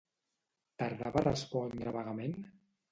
Tardà va respondre vagament?